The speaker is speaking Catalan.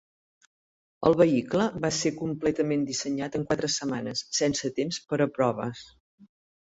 El vehicle va ser completament dissenyat en quatre setmanes, sense temps per a proves.